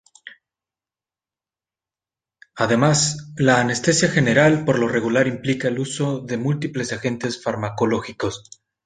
Además, la anestesia general por lo regular implica el uso de múltiples agentes farmacológicos.